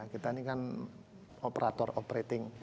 kita ini kan operator operating